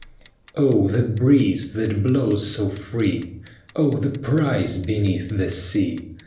Oh, the breeze that blows so free! Oh, the prize beneath the sea!